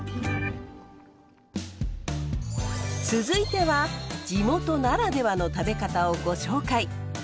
続いては地元ならではの食べ方をご紹介！